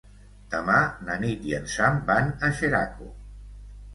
Demà na Nit i en Sam van a Xeraco.